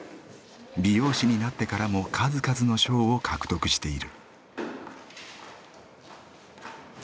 美容師になってからも数々の賞を獲得している。